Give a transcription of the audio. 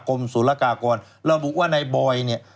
กรมศุลกากรเราบอกว่าในบอร์ย